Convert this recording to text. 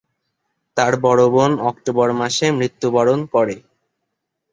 তার বড় বোন অক্টোবর মাসে মৃত্যুবরণ করে।